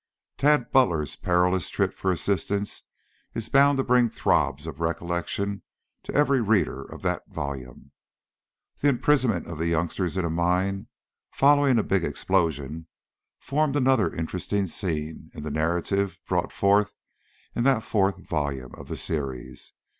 Tad Butler's perilous trip for assistance is bound to bring throbs of recollection to every reader of that volume. The imprisonment of the youngsters in a mine, following a big explosion, formed another interesting scene in the narrative brought forth in that fourth volume of the series.